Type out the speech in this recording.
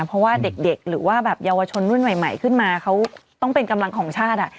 เพราะว่าเด็กหรือว่าแบบเยาวชนรุ่นใหม่ขึ้นมาเขาต้องเป็นกำลังของชาติ